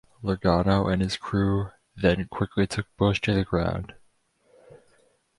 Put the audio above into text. Logano and his crew then quickly took Busch to the ground.